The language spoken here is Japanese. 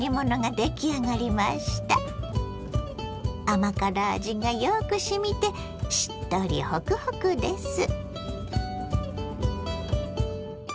甘辛味がよく染みてしっとりホクホクです。